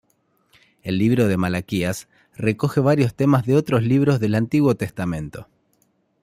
El libro de Malaquías recoge varios temas de otros libros del Antiguo Testamento.